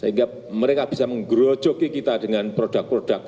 sehingga mereka bisa menggerojoki kita dengan produk produk